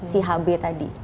si hb tadi